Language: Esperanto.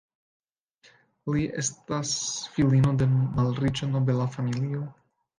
Li estis filino de malriĉa nobela familio.